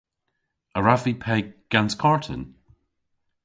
A wrav vy pe gans karten?